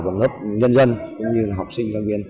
và lớp nhân dân cũng như học sinh đồng nghiên